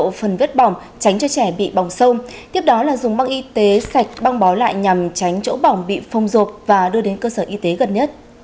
để phần vết bỏng tránh cho trẻ bị bỏng sâu tiếp đó là dùng băng y tế sạch băng bó lại nhằm tránh chỗ bỏng bị phông rộp và đưa đến cơ sở y tế gần nhất